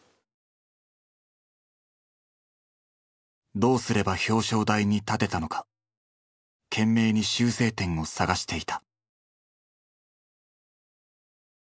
どうすれば表彰台に立てたのか懸命に修正点を探していた。